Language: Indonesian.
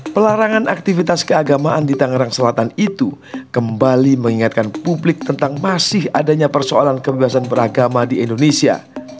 pelarangan aktivitas keagamaan di tangerang selatan itu kembali mengingatkan publik tentang masih adanya persoalan kebebasan beragama di indonesia